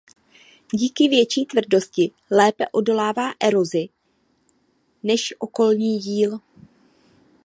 Díky větší tvrdosti lépe odolává erozi než okolní jíl.